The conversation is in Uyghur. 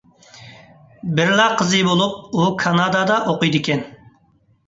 بىرلا قىزى بولۇپ، ئۇ كانادادا ئوقۇيدىكەن.